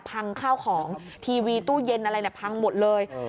ข้าวของทีวีตู้เย็นอะไรพังหมดเลย